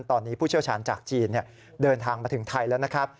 ตอนนี้ผู้เชี่ยวชาญจากจีนเดินทางมาถึงไทยแล้วนะครับ